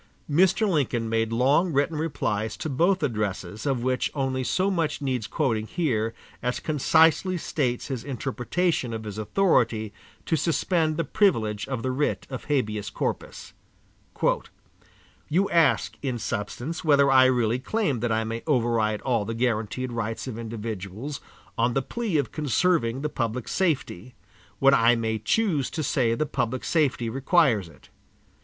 Mr. Lincoln made long written replies to both addresses of which only so much needs quoting here as concisely states his interpretation of his authority to suspend the privilege of the writ of habeas corpus: "You ask, in substance, whether I really claim that I may override all the guaranteed rights of individuals, on the plea of conserving the public safety when I may choose to say the public safety requires it.